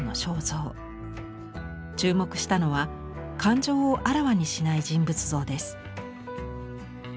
注目したのは感情をあらわにしない人物像です。